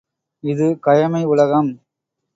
இது கயமை உலகம்!